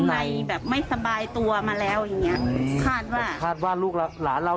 ในแบบไม่สบายตัวมาแล้วอย่างเงี้ยคาดว่าคาดว่าลูกหลานเรา